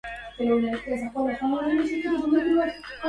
كان يملك فاضل الكثير من المال و كان يراهن الكثير منه.